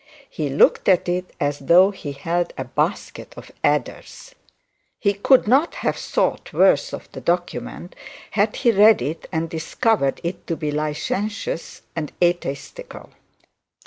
He looked at it as though he held a basket of adders. He could not have thought worse of the document had he read it and discovered it to be licentious and atheistical.